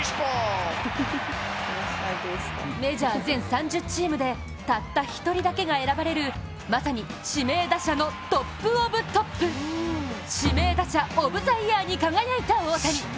メジャー全３０チームでたった１人だけが選ばれるまさに、指名打者のトップオブトップ指名打者オブ・ザ・イヤーに輝いた大谷。